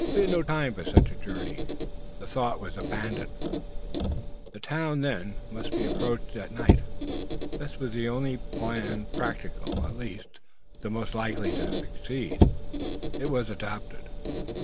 We had no time for such a journey, and the thought was abandoned. The town, then, must be approached in the night. This was the only plan practicable; at least, the most likely to succeed. It was adopted.